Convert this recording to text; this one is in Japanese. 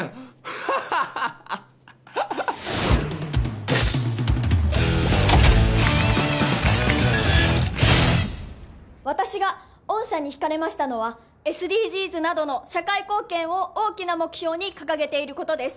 ハハハハ私が御社にひかれましたのはＳＤＧｓなどの社会貢献を大きな目標に掲げていることです